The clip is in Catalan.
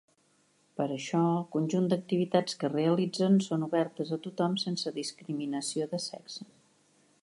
Per això el conjunt d'activitats que realitzen són obertes a tothom sense discriminació de sexe.